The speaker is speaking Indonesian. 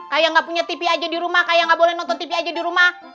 kayak nggak punya tv aja di rumah kayak nggak boleh nonton tv aja di rumah